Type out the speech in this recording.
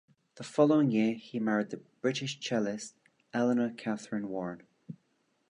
The following year he married the British cellist Eleanor Catherine Warren.